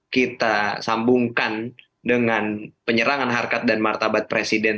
kita sambungkan dengan penyerangan harkat dan martabat presiden